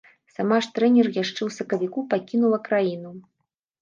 Сама ж трэнер яшчэ ў сакавіку пакінула краіну.